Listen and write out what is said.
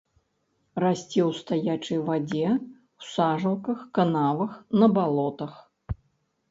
Расце ў стаячай вадзе ў сажалках, канавах, на балотах.